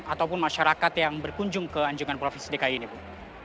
ataupun masyarakat yang berkunjung ke anjungan provinsi dki ini bu